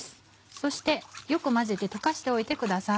そしてよく混ぜて溶かしておいてください。